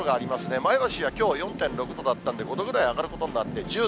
前橋はきょう４．６度だったんで、５度ぐらい上がることになって１０度。